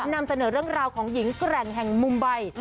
นำเสนอเรื่องราวของหญิงแกร่งแห่งมุมใบ